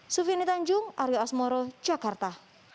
sufini tanjung arya osmoro jakarta